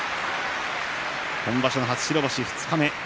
今場所初白星、二日目。